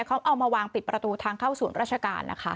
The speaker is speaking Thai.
เขาเอามาวางปิดประตูทางเข้าศูนย์ราชการนะคะ